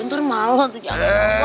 ntar malah tuh jago